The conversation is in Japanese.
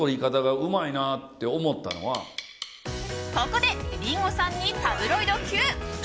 ここでリンゴさんにタブロイドＱ！